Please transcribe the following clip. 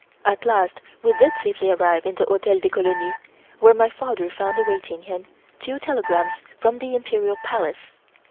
At last we did safely arrive in the Hotel des Colonies, where my father found awaiting him two telegrams from the Imperial Palace.